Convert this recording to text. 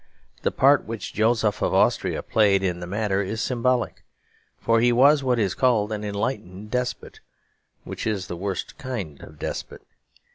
The part which Joseph of Austria played in the matter is symbolic. For he was what is called an enlightened despot, which is the worst kind of despot.